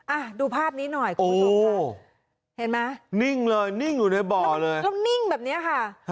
อ่ะดูภาพนี้หน่อยคุณผู้ชมค่ะเห็นไหมนิ่งเลยนิ่งอยู่ในบ่อเลยแล้วนิ่งแบบนี้ค่ะ